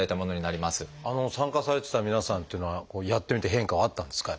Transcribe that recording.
参加されてた皆さんっていうのはやってみて変化はあったんですか？